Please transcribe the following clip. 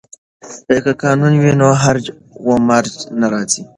که قانون وي نو هرج و مرج نه راځي.